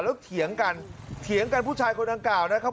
แล้วเถียงกันเถียงกันผู้ชายคนดังกล่าวนะครับ